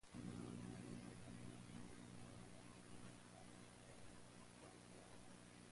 They do not provide their own local newscasts.